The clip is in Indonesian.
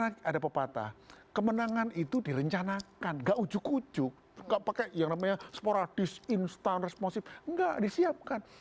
jadi ada pepatah kemenangan itu dilencanakan gak ujuk ujuk gak pakai yang namanya sporadis instan responsif enggak disiapkan